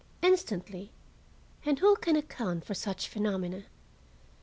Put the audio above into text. Instantly (and who can account for such phenomena?)